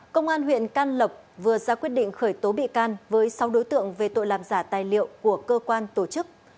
công an huyện can lộc vừa ra quyết định khởi tố bị can với sáu đối tượng về tội làm giả tài liệu của cơ quan tổ chức